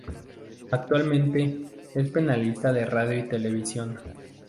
Actualmente es panelista de radio y televisión.